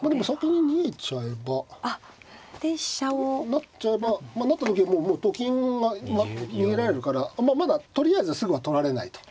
成っちゃえばまあ成った時はもうと金が逃げられるからあんままだとりあえずすぐは取られないと。